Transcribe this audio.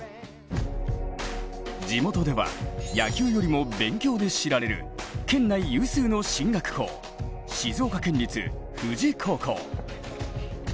地元では、野球よりも勉強で知られる県内有数の進学校静岡県立富士高校。